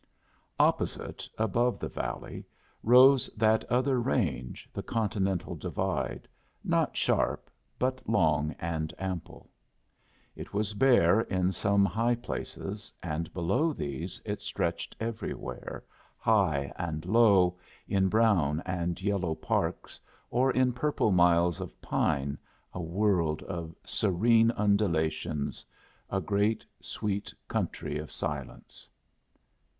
Opposite, above the valley, rose that other range, the Continental Divide, not sharp, but long and ample. It was bare in some high places, and below these it stretched everywhere, high and low, in brown and yellow parks, or in purple miles of pine a world of serene undulations, a great sweet country of silence.